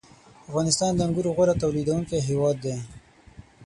• افغانستان د انګورو غوره تولیدوونکی هېواد دی.